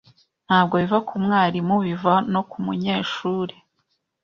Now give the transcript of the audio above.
ntabwo biva ku mwarimubiva no kumunyeshure